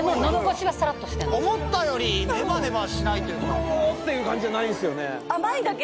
とろっていう感じじゃないんですよね。